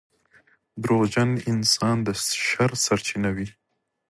• دروغجن انسان د شر سرچینه وي.